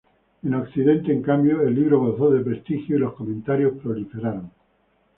En Occidente, en cambio, el libro gozó de prestigio y los comentarios proliferaron.